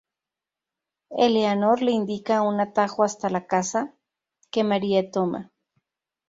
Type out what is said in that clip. Eleanor le indica un atajo hasta la casa, que Marie toma.